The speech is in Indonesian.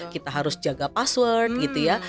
kita harus jaga password gitu ya